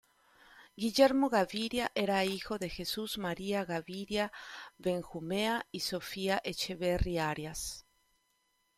Guillermo Gaviria era hijo de Jesús María Gaviria Benjumea y Sofía Echeverri Arias.